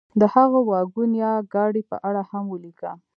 د هغه واګون یا ګاډۍ په اړه هم ولیکه.